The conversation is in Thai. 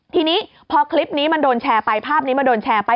ทีนี้พอคลิปนี้มันโดนแชร์ไปภาพนี้มันโดนแชร์ไป